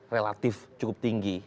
relatif cukup tinggi